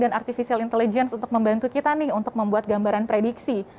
dan artificial intelligence untuk membantu kita nih untuk membuat gambaran prediksi